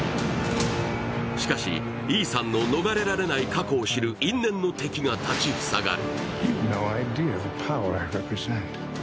しかし、イーサンの逃れられない過去を知る因縁の敵が立ち塞がる。